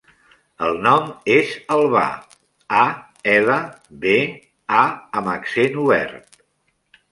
El nom és Albà: a, ela, be, a amb accent obert.